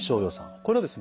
これはですね